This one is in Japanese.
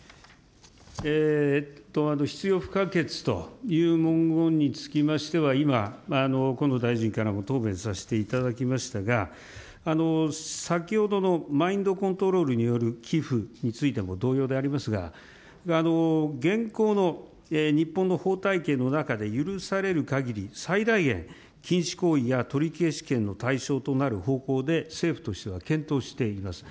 必要不可欠という文言につきましては、今、河野大臣からも答弁させていただきましたが、先ほどのマインドコントロールによる寄付についても同様でありますが、現行の日本の法体系の中で許されるかぎり最大限、禁止行為や取消権の対象となる方向で、政府としては検討しています。